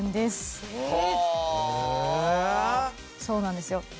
そうなんですよ。